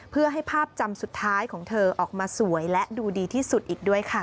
เพื่อให้ภาพจำสุดท้ายของเธอออกมาสวยและดูดีที่สุดอีกด้วยค่ะ